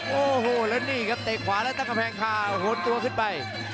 โอ้โหแล้วนี่ครับเตะขวาแล้วตั้งกำแพงคาหนตัวขึ้นไป